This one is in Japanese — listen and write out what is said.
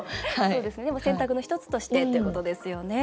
でも、選択の一つとしてということですよね。